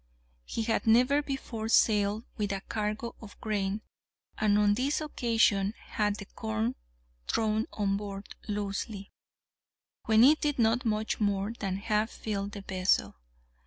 He had never before sailed with a cargo of grain, and on this occasion had the corn thrown on board loosely, when it did not much more than half fill the vessel.